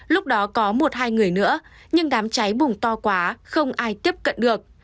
lúc đó có một hai người nữa nhưng đám cháy bùng to quá không ai tiếp cận được